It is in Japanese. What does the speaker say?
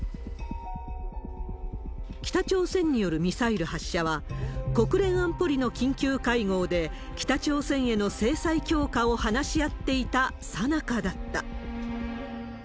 北朝鮮によるミサイル発射は、国連安保理の緊急会合で、北朝鮮への制裁強化を話し合っていたさなかだった。